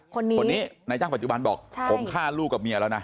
คนนี้คนนี้นายจ้างปัจจุบันบอกผมฆ่าลูกกับเมียแล้วนะ